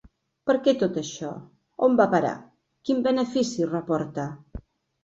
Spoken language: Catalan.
¿Per què tot això?, ¿on va a parar?, ¿quin benefici reporta?